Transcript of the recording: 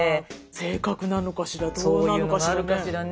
性格なのかしらどうなのかしらね？